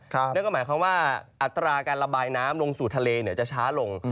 นั่นก็หมายความว่าอัตราการระบายน้ำลงสู่ทะเลจะช้าลง